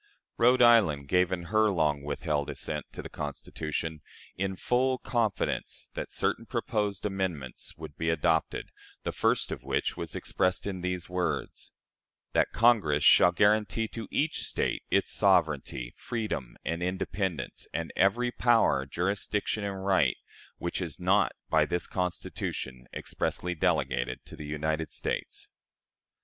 Rhode Island gave in her long withheld assent to the Constitution, "in full confidence" that certain proposed amendments would be adopted, the first of which was expressed in these words: "That Congress shall guarantee to each State its SOVEREIGNTY, freedom, and independence, and every power, jurisdiction, and right, which is not by this Constitution expressly delegated to the United States."